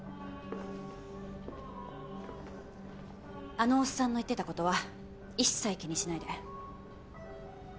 あのおっさんの言ってたことは一切気にしないで。